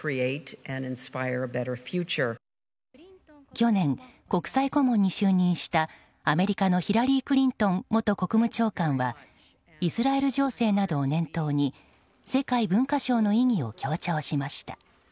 去年、国際顧問に就任したアメリカのヒラリー・クリントン元国務長官はイスラエル情勢などを念頭に世界文化賞の意義を強調しました。